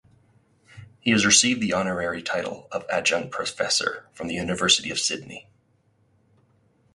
He has received the honorary title of adjunct professor from the University of Sydney.